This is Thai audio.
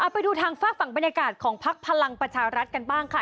ไปดูทางฝากฝั่งบรรยากาศของพักพลังประชารัฐกันบ้างค่ะ